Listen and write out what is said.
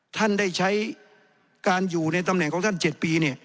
ท่านได้ใช้การอยู่ในตำแหน่งของท่าน๗ปี